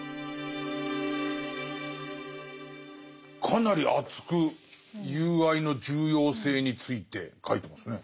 かなり熱く友愛の重要性について書いてますね。